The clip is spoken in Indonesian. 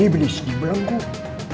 iblis di belengguk